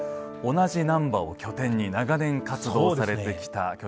同じ難波を拠点に長年活動されてきた巨人さん。